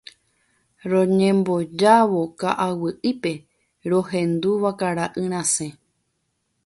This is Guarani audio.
Roñembojávo ka'aguy'ípe rohendu vakara'y rasẽ.